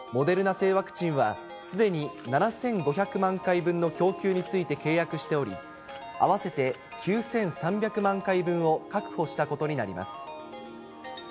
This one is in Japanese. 製ワクチンは、すでに７５００万回分の供給について契約しており、合わせて９３００万回分を確保したことになります。